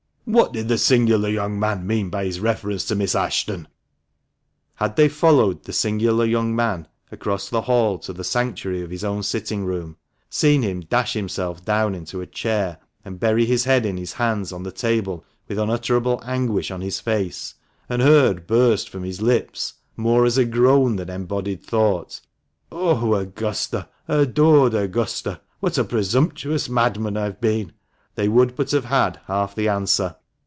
"What did the singular young man mean by his reference to Miss Ashton?" Had they followed the " singular young man " across the hall to the sanctuary of his own sitting room, seen him dash himself down into a chair, and bury his head in his hands on the table with unutterable anguish on his face, and heard burst from his lips — more as a groan than embodied thought — "Oh, Augusta, adored Augusta, what a presumptuous madman I have been !"— they would but have had half the answer.